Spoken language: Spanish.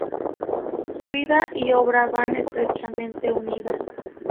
Su vida y obra van estrechamente unidas.